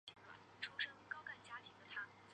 罗娑陀利再次遣使至兰纳与掸族地区寻求联盟。